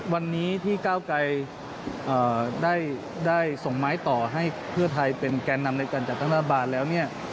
วันนี้ที่ก้าวไกรได้ส่งไม้ต่อให้เพื่อไทยเป็นแก่นำในการจัดตั้งรัฐบาลแล้วเนี่ย